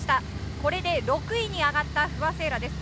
これで６位に上がった不破聖衣来です。